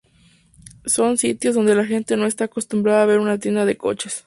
Son sitios donde la gente no está acostumbrada a ver una tienda de coches.